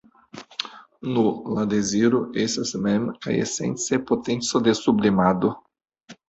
Nu, la deziro estas mem kaj esence potenco de sublimado.